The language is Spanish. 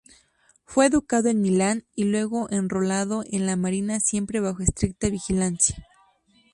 Fue educado en Milán, y luego enrolado en la marina siempre bajo estricta vigilancia.